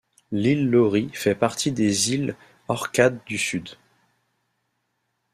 L'île Laurie fait partie des Îles Orcades du Sud.